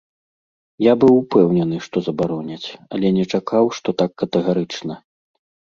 Я быў упэўнены, што забароняць, але не чакаў, што так катэгарычна.